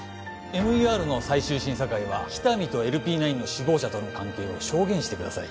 ＭＥＲの最終審査会は喜多見とＬＰ９の首謀者との関係を証言してください